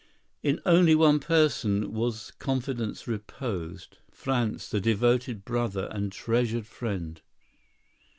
In only one person was confidence reposed, Franz, the devoted brother and treasured friend.